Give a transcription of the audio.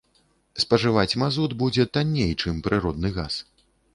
Спажываць мазут будзе танней, чым прыродны газ.